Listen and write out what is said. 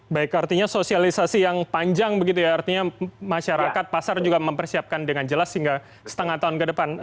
baik artinya sosialisasi yang panjang begitu ya artinya masyarakat pasar juga mempersiapkan dengan jelas hingga setengah tahun ke depan